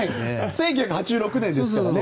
１９８６年ですからね。